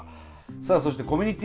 さあそしてコミュニティＦＭ。